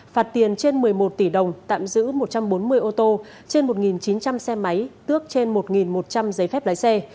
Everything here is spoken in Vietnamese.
phạt tiền trên một mươi một tỷ đồng tạm giữ một trăm bốn mươi ô tô trên một chín trăm linh xe máy tước trên một một trăm linh giấy phép lái xe